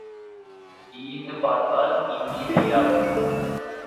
ஈந்து பார்த்தால் இம்மி வெளியாகும்.